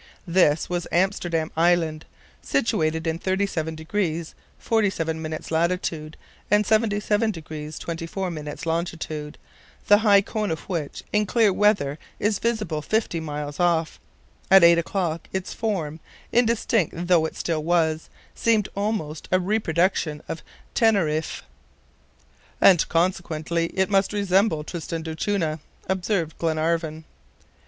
This was Amsterdam Island, situated in 37 degrees 47 minutes latitude and 77 degrees 24 minutes longitude, the high cone of which in clear weather is visible fifty miles off. At eight o'clock, its form, indistinct though it still was, seemed almost a reproduction of Teneriffe. "And consequently it must resemble Tristan d'Acunha," observed Glenarvan.